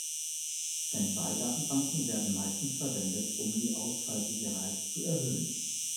Standby-Datenbanken werden meistens verwendet, um die Ausfallsicherheit zu erhöhen.